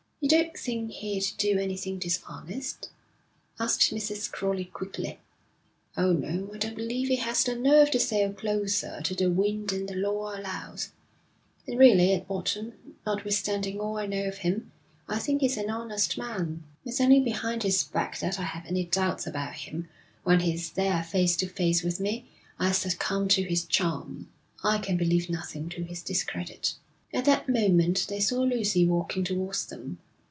'You don't think he'd do anything dishonest?' asked Mrs. Crowley quickly. 'Oh, no. I don't believe he has the nerve to sail closer to the wind than the law allows, and really, at bottom, notwithstanding all I know of him, I think he's an honest man. It's only behind his back that I have any doubts about him; when he's there face to face with me I succumb to his charm. I can believe nothing to his discredit.' At that moment they saw Lucy walking towards them.